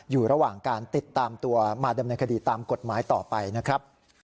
อยู่ระหว่างการติดตามตัวมาดำเนินคดีตามกฎหมายต่อไปนะครับ